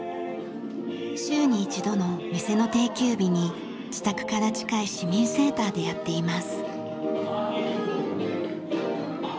週に一度の店の定休日に自宅から近い市民センターでやっています。